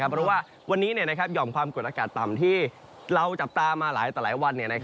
เพราะว่าวันนี้หย่อมความกดอากาศต่ำที่เราจับตามาหลายต่อหลายวัน